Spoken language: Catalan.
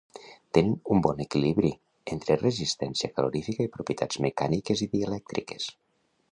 Tenen un bon equilibri entre resistència calorífica i propietats mecàniques i dielèctriques.